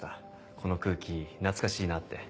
この空気懐かしいなって。